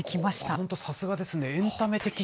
本当、さすがですね。